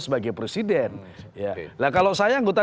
sebagai presiden nah kalau saya anggota